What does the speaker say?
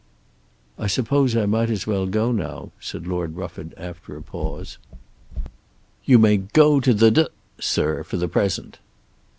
"I suppose I might as well go now," said Lord Rufford after a pause. "You may go to the D , Sir, for the present."